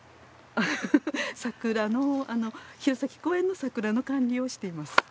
桜の弘前公園の桜の管理をしています。